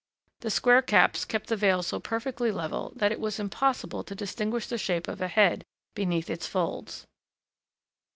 The square caps kept the veil so perfectly level that it was impossible to distinguish the shape of a head beneath its folds.